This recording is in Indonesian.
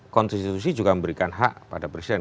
konstitusi juga memberikan hak pada presiden